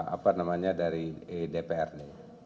apa namanya dari dprd